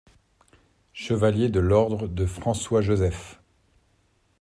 Chevalier de l'ordre de François-Joseph.